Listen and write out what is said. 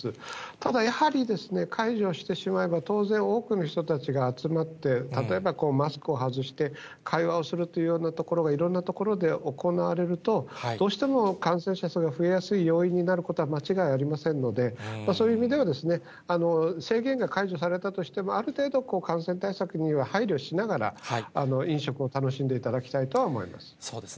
ただやはり、解除してしまえば、当然、多くの人たちが集まって、例えばマスクを外して会話をするというようなところがいろんな所で行われると、どうしても感染者数が増えやすい要因になることは間違いありませんので、そういう意味では、制限が解除されたとしても、ある程度、感染対策には配慮しながら、飲食を楽しんでいただきたいとは思います。